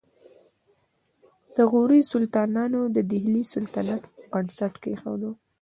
د غوري سلطانانو د دهلي سلطنت بنسټ کېښود